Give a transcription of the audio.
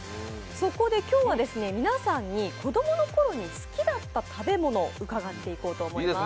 そこで今日は皆さんに子供の頃に好きだった食べ物を伺っていきます。